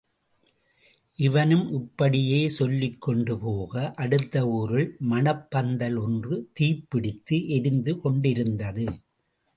இவனும் இப்படியே சொல்லிக்கொண்டு போக, அடுத்த ஊரில் மணப்பந்தல் ஒன்று தீப்பிடித்து எரிந்து கொண்டிருந்தது.